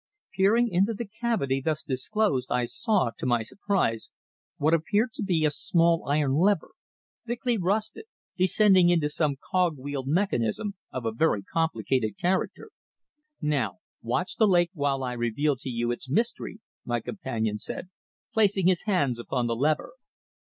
Peering into the cavity thus disclosed I saw, to my surprise, what appeared to be a small iron lever, thickly rusted, descending into some cog wheeled mechanism of a very complicated character. "Now, watch the lake while I reveal to you its mystery," my companion said, placing his hands upon the lever.